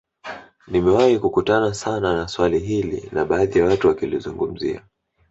Nimewahi kukutana sana na swali hili na baadhi ya watu wakilizungumzia